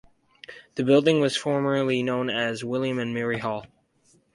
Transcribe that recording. The building was formerly known as William and Mary Hall.